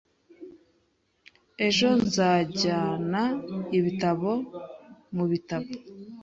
Ejo, nzajyana ibitabo mubitabo.